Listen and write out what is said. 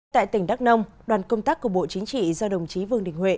tại tỉnh đắk nông đoàn công tác của bộ chính trị do đồng chí vương đình huệ